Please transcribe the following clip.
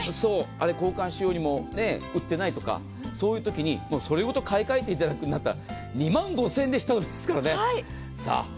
あれを交換しようにも売っていないとかそういうときにそれごと買い替えていただくことになったら２万５０００円で下取りですからね。